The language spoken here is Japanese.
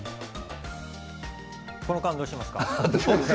この間どうしましょう。